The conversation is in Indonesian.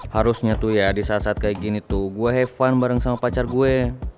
harusnya tuh ya di saat saat kayak gini tuh gue heavan bareng sama pacar gue